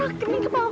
sakit nih ke bawah